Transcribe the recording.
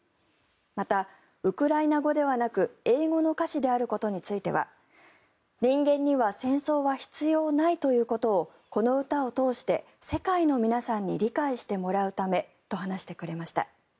また、ウクライナ語ではなく英語の歌詞であることについては人間には戦争は必要ないということをこの歌を通して世界の皆さんに理解してもらうためと話してくれました。